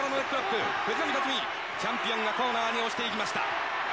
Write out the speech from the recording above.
藤波辰爾、チャンピオンがコーナーに押していきました。